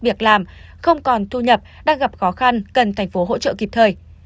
việc làm không còn thu nhập đang gặp khó khăn cần tp hỗ trợ kịp thời